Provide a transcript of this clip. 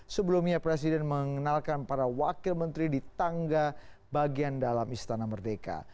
sebelumnya presiden mengenalkan para wakil menteri di tangga bagian dalam istana merdeka